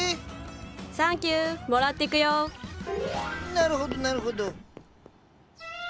なるほどなるほど。